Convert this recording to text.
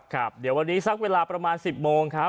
ครับเดี๋ยววันนี้สักเวลาประมาณ๑๐โมงครับ